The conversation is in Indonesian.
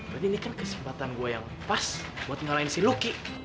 berarti ini kan kesempatan gue yang pas buat ngalahin si luki